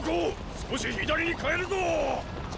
少し左に変えるぞォ！